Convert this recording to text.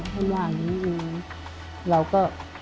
ท่านว่านี้เราก็